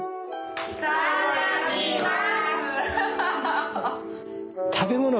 いただきます！